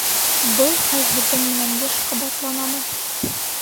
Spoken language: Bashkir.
Был хәл һеҙҙең менән йыш ҡабатланамы?